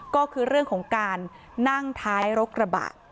ก็คือเรื่องของการนั่งท้ายรถกระบะ